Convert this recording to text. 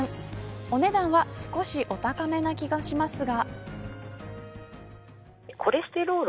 お値段は少しお高めな気がしますが。